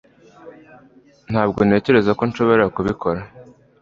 ntabwo ntekereza ko nshobora kubikora